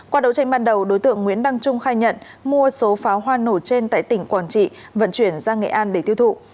qua đấu tranh ban đầu đối tượng nguyễn đăng trung khai nhận mua số pháo hoa nổ trên tại tỉnh quảng trị vận chuyển ra nghệ an để tiêu thụ